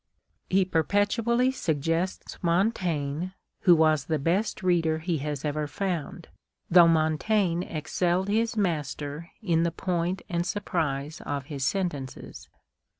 He perpetually suggests jMontaigne, who was the best reader he has ever found, though Montaigne excelled his master in the point and surprise of his sentences.